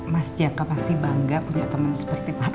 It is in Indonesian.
mas jaka pasti bangga punya temen seperti pak raymond